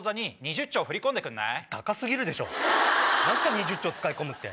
２０兆使い込むって。